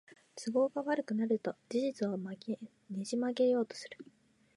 都合が悪くなると事実をねじ曲げようとする